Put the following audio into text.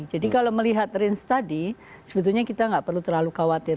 jadi kalau melihat range tadi sebetulnya kita nggak perlu terlalu khawatir